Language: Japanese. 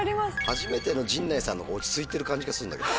初めての陣内さんのほうが落ち着いてる感じがする。